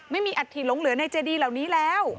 ไม่มีอัตถีหลงเหลือในเจดีเหล่านี้แล้ว